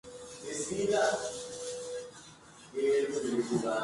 La tripulación estaba formada por el comandante, conductor y cuatro artilleros.